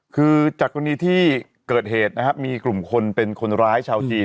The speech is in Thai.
คือจากกรณีที่เกิดเหตุนะครับมีกลุ่มคนเป็นคนร้ายชาวจีน